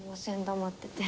黙ってて。